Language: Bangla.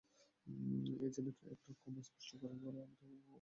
এ যেন একরকম স্পষ্ট করেই বলা, তুমি আমাদের বাড়িতে এসো না।